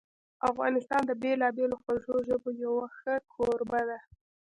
افغانستان د بېلابېلو خوږو ژبو یو ښه کوربه ده.